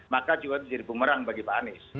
maka juga itu jadi bumerang bagi pak anies